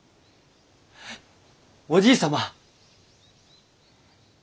おじい様！